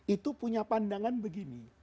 itu punya pandangan begini